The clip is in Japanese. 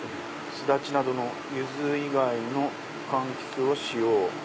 スダチなどのユズ以外の柑橘を使用。